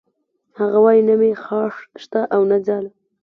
هغه وایی نه مې خاښ شته او نه ځاله